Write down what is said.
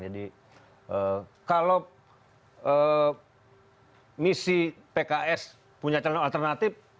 jadi kalau misi pks punya calon alternatif